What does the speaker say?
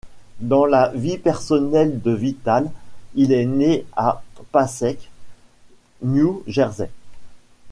Dans la vie personnelle de Vitale, il est né à Passaic, New Jersey.